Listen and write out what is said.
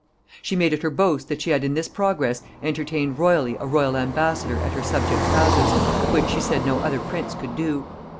She made it her boast that she had in this progress entertained royally a royal ambassador at her subjects' houses; which she said no other prince could do.